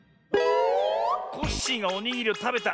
コッシーがおにぎりをたべた。